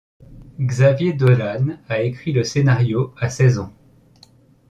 Xavier Dolan a écrit le scénario à seize ans.